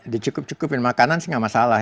dicukup cukupin makanan sih nggak masalah